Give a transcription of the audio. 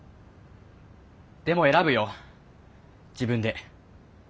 でも選ぶよ自分で。